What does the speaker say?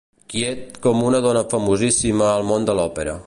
Quiet com una dona famosíssima al món de l'òpera.